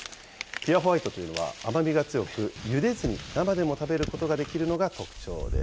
ピュアホワイトというのは、甘みが強く、ゆでずに生でも食べることができるのが特徴です。